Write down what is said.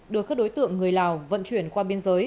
đưa các đối tượng người lào vận chuyển qua biên giới